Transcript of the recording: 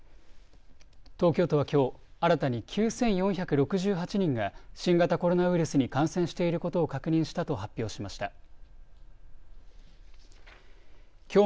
東京都はきょう、新たに９４６８人が新型コロナウイルスに感染していることを確認したと発表しました。